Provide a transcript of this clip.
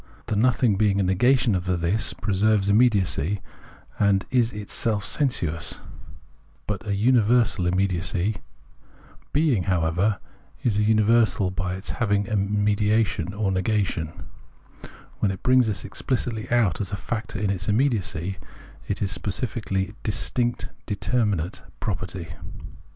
The nothing being a negation of the This, preserves immediacy and is itself sensuous, but a universal immediacy. Being, however, is a miiversal by its having in it mediation or negation. When it brings this exphcitly out as a factor in its immediacy, it is a specifically distinct determinate property.